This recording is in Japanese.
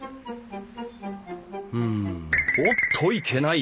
うんおっといけない。